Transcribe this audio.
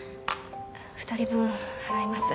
２人分払います。